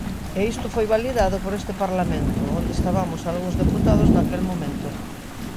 E isto foi validado por este Parlamento, onde estabamos algúns deputados naquel momento.